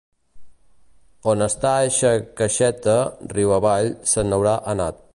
On està eixa caixeta Riu avall se n’haurà anat.